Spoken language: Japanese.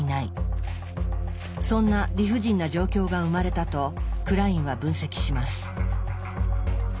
そんな理不尽な状況が生まれたとクラインは分析します。